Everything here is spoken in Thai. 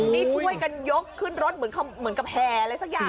นี่ช่วยกันยกขึ้นรถเหมือนกับแห่อะไรสักอย่าง